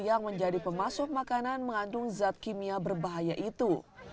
yang menjadi pemasuk makanan mengandung zat kimia berbahaya itu